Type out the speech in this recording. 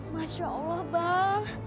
masya allah bang